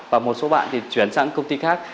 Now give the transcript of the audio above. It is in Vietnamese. và một số bạn thì chuyển sang công ty khác